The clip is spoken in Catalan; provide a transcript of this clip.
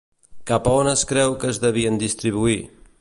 Cap a on es creu que es devien distribuir?